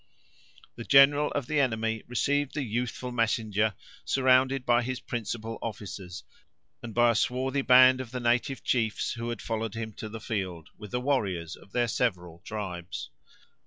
The general of the enemy received the youthful messenger, surrounded by his principal officers, and by a swarthy band of the native chiefs, who had followed him to the field, with the warriors of their several tribes.